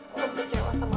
gue kecewa sama abah sama umi